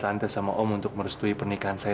ini udah gak main main ini